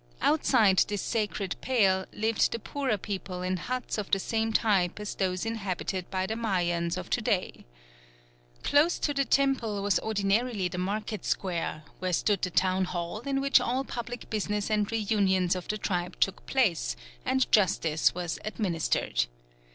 Outside this sacred pale lived the poorer people in huts of the same type as those inhabited by the Mayans of to day. Close to the temple was ordinarily the market square, where stood the town hall in which all public business and reunions of the tribe took place, and justice was administered.